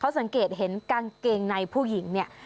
สังเกตเห็นกางเกงในผู้หญิงเนี่ย